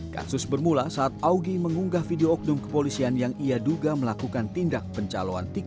kasus bermula saat augie mengunggah video oknum kepolisian yang ia duga melakukan tindak pencalonan